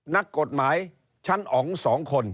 นักกฎหมายชั้นองค์สองคน